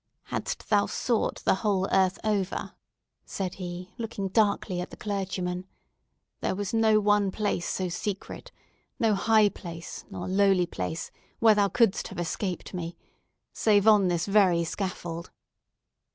"Hadst thou sought the whole earth over," said he looking darkly at the clergyman, "there was no one place so secret—no high place nor lowly place, where thou couldst have escaped me—save on this very scaffold!"